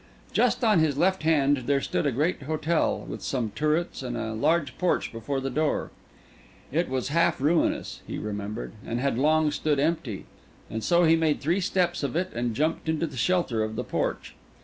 Just on his left hand there stood a great hotel, with some turrets and a large porch before the door; it was half ruinous, he remembered, and had long stood empty; and so he made three steps of it and jumped into the shelter of the porch.